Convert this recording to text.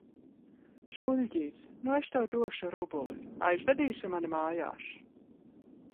Spuļģīt! Nu, es tev došu rubuli. Aizvedīsi mani mājās?